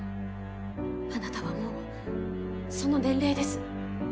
あなたはもうその年齢です。